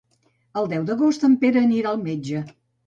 El deu d'agost en Pere anirà al metge.